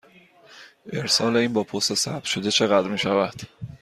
ارسال این با پست ثبت شده چقدر می شود؟